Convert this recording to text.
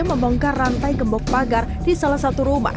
membongkar rantai gembok pagar di salah satu rumah